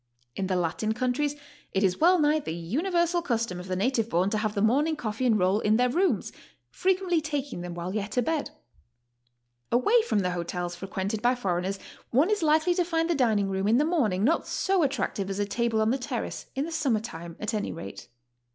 In the Latin countries it is well nigh the universal custom of the native born to have the morning coffee and roll in their rooms, frequently taking them while HOW TO STAY. 139 yet a bed. Away from the hotels frequented by foreigners one is likely to find the dining room in the morning not so attractive as a table on the terrace, in the summer time, at any rate.